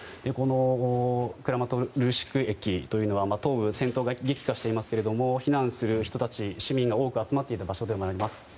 このクラマトルシク駅というのは東部で戦闘が激化していますが避難する市民が多く集まっていた場所でもあります。